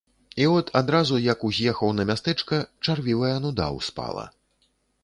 І от адразу, як уз'ехаў на мястэчка, чарвівая нуда ўспала.